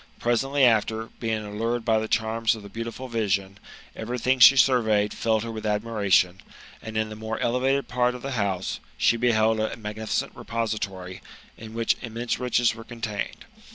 Presently after, being allured by the charms of the beautiful vision, everything she surveyed filled her with admiration ; and, in the more elevated part of the house, she beheld a magnificent repository, in which immense riches were contained.